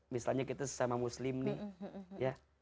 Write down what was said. misalnya kita sesama muslim nih ya